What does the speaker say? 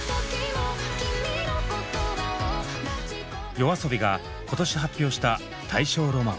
ＹＯＡＳＯＢＩが今年発表した「大正浪漫」。